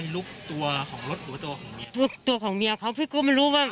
ลุกตัวของเมียเขาพี่ก็ไม่รู้ว่า